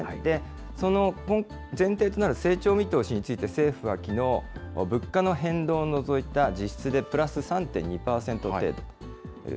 その前提となる成長見通しについて、政府はきのう、物価の変動を除いた実質でプラス３．２％程度という。